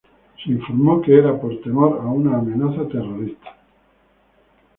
Se informó que era por temor a una amenaza terrorista.